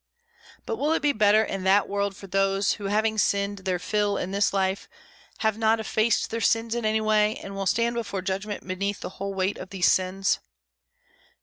But will it be better in that world for those who having sinned their fill in this life, have not effaced their sins in any way, and will stand before judgment beneath the whole weight of these sins?